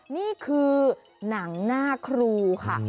นี่คือหนังหน้าครูค่ะ